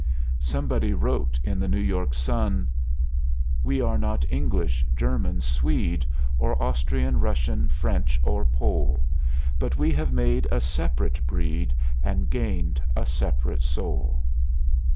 Somebody wrote in the New York Sun: _We are not English, German, Swede, Or Austrian, Russian, French or Pole; But we have made a separate breed And gained a separate soul.